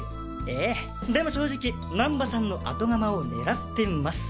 ええでも正直難波さんの後釜を狙ってます。